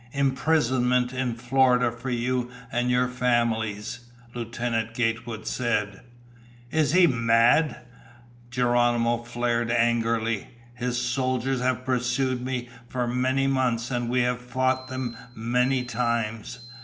"Imprisonment in Florida for you and your families," Lieutenant Gatewood said. "Is he mad?" Geronimo flared angrily. "His soldiers have pursued me for many months, and we have fought them many times.